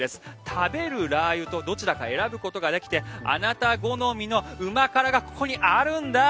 食べるラー油とどちらか選ぶことができてあなた好みの旨辛がここにあるんだ。